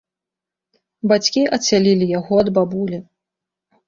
Бацькі адсялілі яго да бабулі.